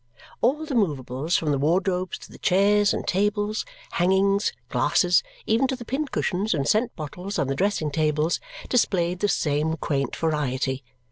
All the movables, from the wardrobes to the chairs and tables, hangings, glasses, even to the pincushions and scent bottles on the dressing tables, displayed the same quaint variety.